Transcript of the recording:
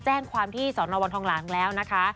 แจ้งความที่สอนอวังทองหลางแล้วนะคะ